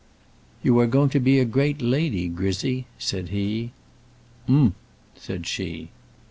"You are going to be a great lady, Grizzy," said he. "Umph!" said she.